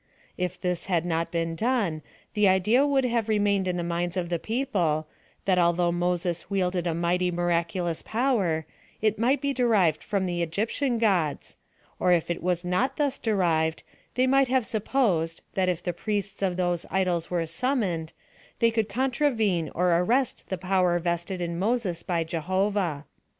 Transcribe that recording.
If this had not been done, tlie idea would have remained in the minds of the peo ple, that although Moses wielded a mighty miracu lous power, it might be derived from the Egyptian gods, or if it was not thus derived, they might have supposed, that if the priests of those idols were summoned, they could contravene or arrest the power vested in Moses by Jehovah.